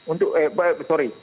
untuk eh sorry